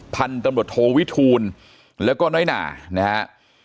พันธุ์ตำรวจโทวิทูลแล้วก็น้อยหนานะฮะ